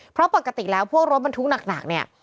เพราะปกติแล้วพวกรถบรรทุกหนักเนี่ย